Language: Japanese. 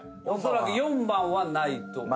おそらく４番はないと。